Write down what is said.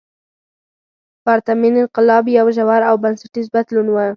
پرتمین انقلاب یو ژور او بنسټیز بدلون و.